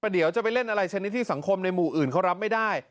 เดี๋ยวจะไปเล่นอะไรชนิดที่สังคมในหมู่อื่นเขารับไม่ได้